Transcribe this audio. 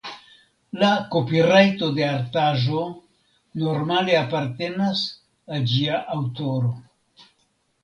La kopirajto de artaĵo normale apartenas al ĝia aŭtoro.